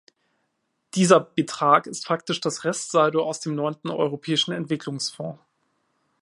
Dieser Betrag ist faktisch das Restsaldo aus dem Neunten Europäischen Entwicklungsfonds.